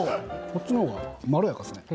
こっちのほうがまろやかですね。